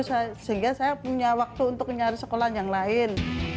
sehingga saya punya waktu untuk nyari sekolah yang lain